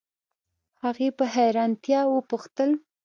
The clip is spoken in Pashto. هغې په حیرانتیا وپوښتل